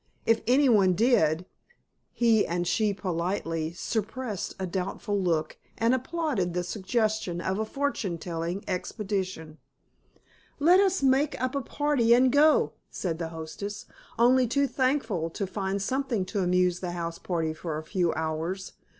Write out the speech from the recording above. If anyone did, he and she politely suppressed a doubtful look and applauded the suggestion of a fortune telling expedition. "Let us make up a party and go," said the hostess, only too thankful to find something to amuse the house party for a few hours.